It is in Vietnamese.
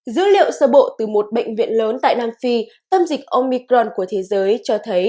dữ liệu sơ bộ từ một bệnh viện lớn tại nam phi tâm dịch omicron của thế giới cho thấy